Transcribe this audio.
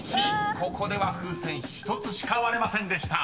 ［ここでは風船１つしか割れませんでした］